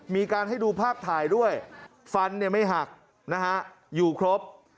มีการให้ดูภาพถ่ายด้วยฟันไม่หักนะฮะอยู่ครบ